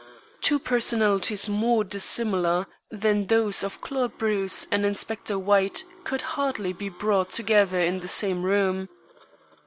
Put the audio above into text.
Two personalities more dissimilar than those of Claude Bruce and Inspector White could hardly be brought together in the same room.